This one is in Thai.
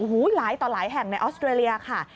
หลายต่อหลายแห่งในออสเตรเลียค่ะ